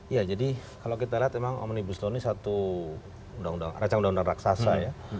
ya jadi kalau kita lihat memang omnibus law ini satu rancang undang undang raksasa ya